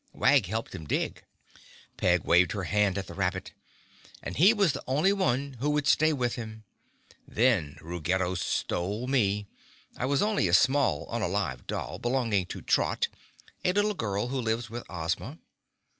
Wag helped him dig." Peg waved her hand at the rabbit. "And he was the only one who would stay with him. Then Ruggedo stole me. I was only a small, unalive doll, belonging to Trot, a little girl who lives with Ozma.